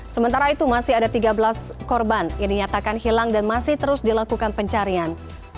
sementara itu masih ada tiga belas korban yang dinyatakan hilang dan masih terus dilakukan pencarian